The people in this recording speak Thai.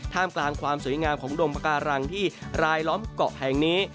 กลางความสวยงามของดมปาการังที่รายล้อมเกาะแห่งนี้